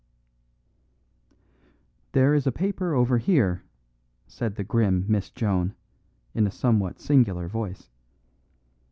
"There is a paper over here," said the grim Miss Joan, in a somewhat singular voice.